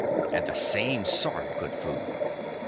And the same sort of good food.